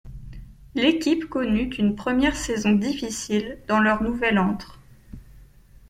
L'équipe connut une première saison difficile dans leur nouvelle antre.